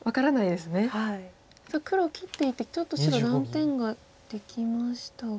黒切っていってちょっと白断点ができましたが。